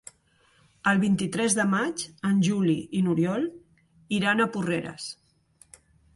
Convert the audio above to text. El vint-i-tres de maig en Juli i n'Oriol iran a Porreres.